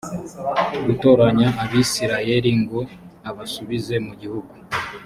gutoranya abisirayeli ngo abasubize mu gihugu